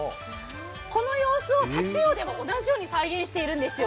この様子をタチウオでも同じように再現しているんですよ。